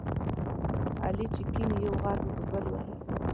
علي چې کېني، یو غر په بل وهي.